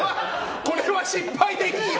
これは失敗でいいよ。